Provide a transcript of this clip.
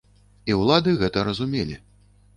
І ўлады гэта разумелі.